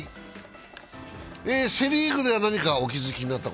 セ・リーグでは何かお気づきですか？